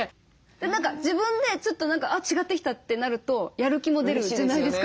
何か自分でちょっと何かあっ違ってきたってなるとやる気も出るじゃないですか。